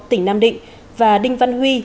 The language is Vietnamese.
tỉnh nam định và đinh văn huy